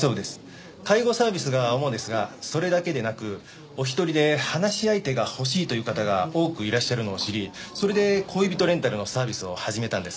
介護サービスが主ですがそれだけでなくお一人で話し相手が欲しいという方が多くいらっしゃるのを知りそれで恋人レンタルのサービスを始めたんです。